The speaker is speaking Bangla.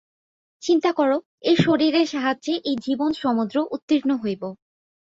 চিন্তা কর, এই শরীরের সাহায্যে এই জীবন-সমুদ্র উত্তীর্ণ হইব।